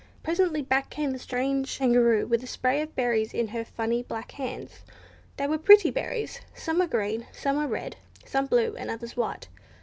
Presently back came the strange Kangaroo with a spray of berries in her funny black hands. They were pretty berries. Some were green, some were red, some blue, and others white.